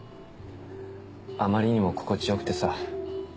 あまりにも心地よくてさ。